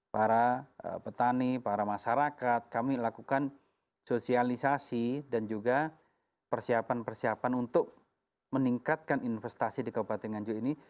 para petani para masyarakat kami lakukan sosialisasi dan juga persiapan persiapan untuk meningkatkan investasi di kabupaten nganjuk ini